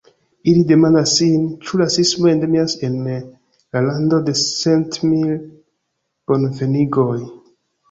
Ili demandas sin, ĉu rasismo endemias en la lando de cent mil bonvenigoj.